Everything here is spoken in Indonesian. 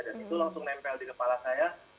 dan itu langsung nempel di kepala saya